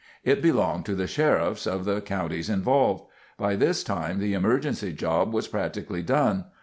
It belonged to the sheriffs of the counties involved. By this time the emergency job was practically done.